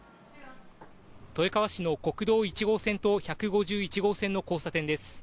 豊川市の国道１号線と１５１号線の交差点です。